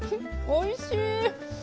おいしい！